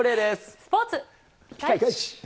スポーツ。